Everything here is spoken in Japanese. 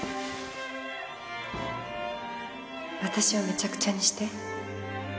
私をめちゃくちゃにして。